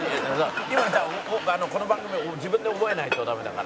この番組は自分で覚えないとダメだから」